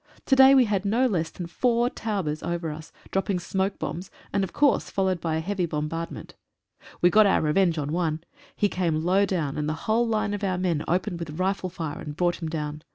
To day we had no less than four Taubes over us, dropping smoke "bombs, and, of course, followed by a heavy bombard ment. We got our revenge on one. He came low down, and the whole line of our men opened with rifle fire and brought him down.